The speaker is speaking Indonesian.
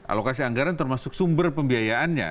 alokasi anggaran termasuk sumber pembiayaannya